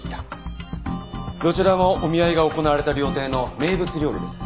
どちらもお見合いが行われた料亭の名物料理です。